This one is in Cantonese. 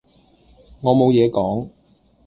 我冇野講